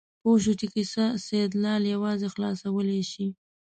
پوه شو چې کیسه سیدلال یوازې خلاصولی شي.